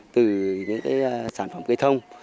từ những cái sản phẩm cây thông